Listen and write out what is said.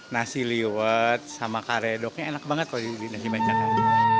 nasi liwet sama karedoknya enak banget kalau di nasi banjakan